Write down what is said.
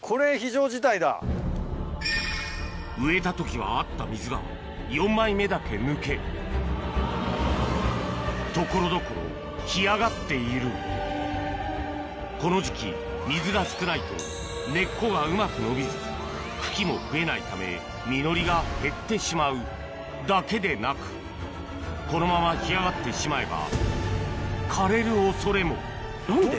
植えた時はあった水が４枚目だけ抜け所々干上がっているこの時期水が少ないと根っこがうまく伸びず茎も増えないため実りが減ってしまうだけでなくこのまま干上がってしまえば何で？